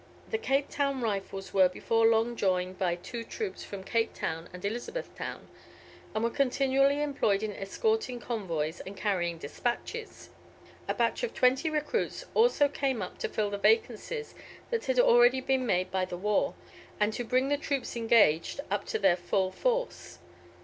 The Cape Town Rifles were before long joined by two troops from Cape Town and Elizabeth Town, and were continually employed in escorting convoys and carrying despatches. A batch of twenty recruits also came up to fill the vacancies that had already been made by the war, and to bring the troops engaged up to their full force.